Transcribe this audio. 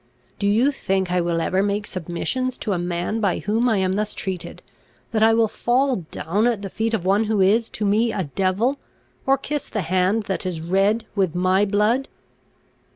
Do you think I will ever make submissions to a man by whom I am thus treated, that I will fall down at the feet of one who is to me a devil, or kiss the hand that is red with my blood?"